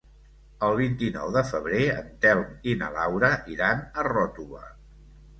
El vint-i-nou de febrer en Telm i na Laura iran a Ròtova.